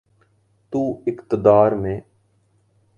تو اقتدار میں۔